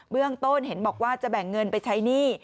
เรื่องต้นเห็นบอกว่าจะแบ่งเงินไปใช้หนี้